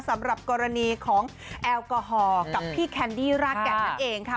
สำหรับกรณีของแอลกอฮอล์กับพี่แคนดี้รากแก่นนั่นเองค่ะ